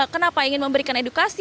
kenapa ingin memberikan edukasi